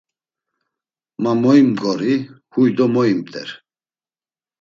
Ma moy mgori, huy do moy imt̆er?